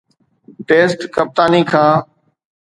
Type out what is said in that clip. test ڪپتاني کان